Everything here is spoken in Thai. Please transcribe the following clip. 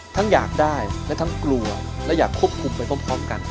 อยากได้และทั้งกลัวและอยากควบคุมไปพร้อมกัน